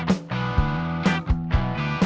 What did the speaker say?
โอ้โอ้โอ้โอ้